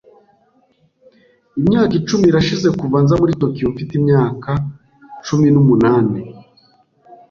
Imyaka icumi irashize kuva nza muri Tokiyo mfite imyaka cumi n'umunani.